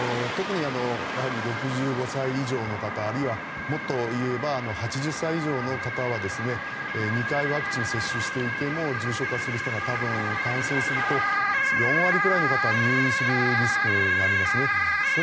特に６５歳以上の方あるいはもっと言えば８０歳以上の方は２回ワクチン接種していても重症化する人が多分、感染すると４割ぐらいの方は入院するリスクがありますね。